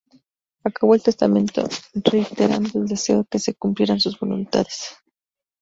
Acabó el testamento reiterando el deseo que se cumplieran sus voluntades.